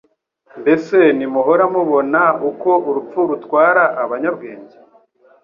Mbese ntimuhora mubona uko urupfu rutwara abanyabwenge